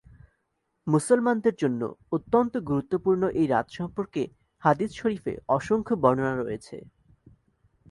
মুসলমানদের জন্য অত্যন্ত গুরুত্বপূর্ণ এই রাত সর্ম্পকে হাদিস শরীফে অসংখ্য বর্ণনা রয়েছে।